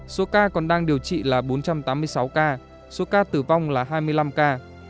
số ca còn đang điều trị là bốn trăm tám mươi sáu ca số ca tử vong là hai mươi năm ca